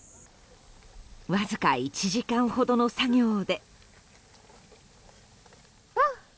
わずか１時間ほどの作業で。